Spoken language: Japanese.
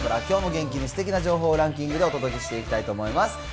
きょうも元気にすてきな情報をランキングでお届けしていきたいと思います。